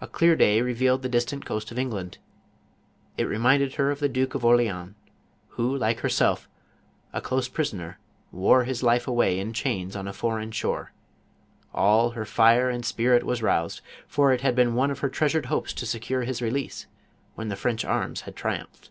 A clear day re vealed the distant coast of England ; it reminded her of the Duke of Orleans, who, like herself, a close pris oner, \vore his life away in chains on a foreign shore; all her fire and spirit was roused, for it had been one of her treasured hopes to secure his release, when the French arms had triumphed.